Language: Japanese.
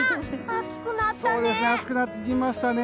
暑くなってきましたね。